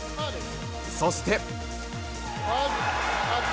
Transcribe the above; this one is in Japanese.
そして。